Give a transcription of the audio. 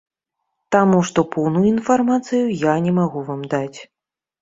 Таму што поўную інфармацыю я не магу вам даць.